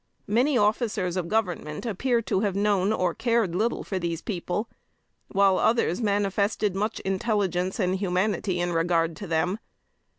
Many officers of Government appear to have known or cared little for these people, while others manifested much intelligence and humanity in regard to them.